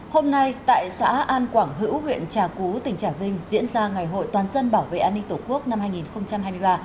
hôm nay tại xã an quảng hữu huyện trà cú tỉnh trà vinh diễn ra ngày hội toàn dân bảo vệ an ninh tổ quốc năm hai nghìn hai mươi ba